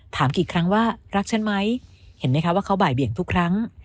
ถามกี่ครั้งว่ารักฉันไหมเห็นไหมคะว่าเขาบ่ายเบี่ยงทุกครั้ง